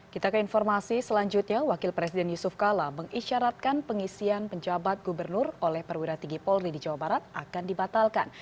kita ke informasi selanjutnya wakil presiden yusuf kala mengisyaratkan pengisian penjabat gubernur oleh perwira tinggi polri di jawa barat akan dibatalkan